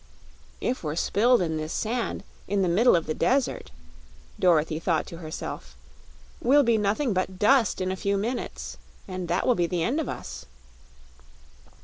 "It we're spilled in this sand, in the middle of the desert," Dorothy thought to herself, "we'll be nothing but dust in a few minutes, and that will be the end of us."